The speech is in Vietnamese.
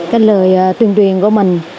cái lời tuyên tuyển của mình